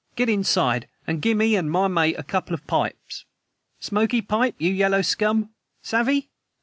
"Get inside and gimme an' my mate a couple o' pipes. Smokee pipe, you yellow scum savvy?"